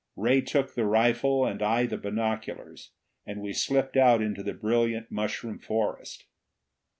Ray took the rifle and I the binoculars, and we slipped out into the brilliant mushroom forest.